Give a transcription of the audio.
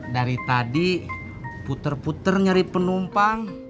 dari tadi puter puter nyari penumpang